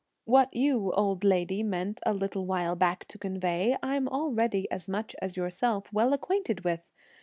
What you, old lady, meant a little while back to convey, I'm already as much as yourself well acquainted with!